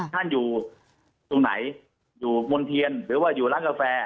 ท่านอยู่ตรงไหนอยู่มณ์เทียนหรือว่าอยู่ร้านกาแฟ